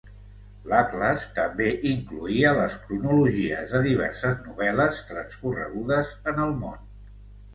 L'atles també incloïa les cronologies de diverses novel·les transcorregudes en el món.